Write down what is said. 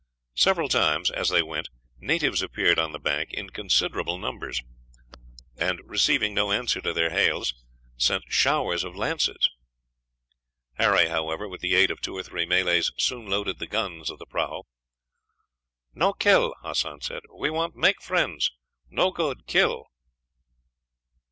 Several times, as they went, natives appeared on the bank in considerable numbers, and receiving no answer to their hails, sent showers of lances. Harry, however, with the aid of two or three Malays, soon loaded the guns of the prahu. "No kill," Hassan said. "We want make friends. No good kill."